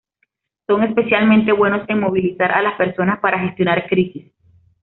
Son especialmente buenos en movilizar a las personas para gestionar crisis.